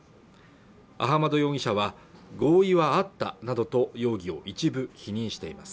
アハマド容疑者は合意はあったなどと容疑を一部否認しています